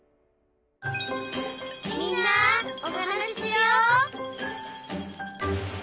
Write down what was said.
「みんなおはなししよう」